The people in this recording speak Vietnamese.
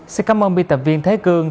xin cảm ơn biên tập viên thế cương